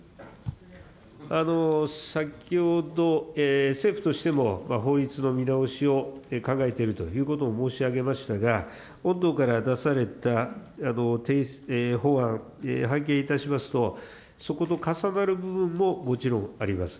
先ほど、政府としても法律の見直しを考えているということを申し上げましたが、御党から出された提出法案、拝見いたしますと、そこと重なる部分ももちろんあります。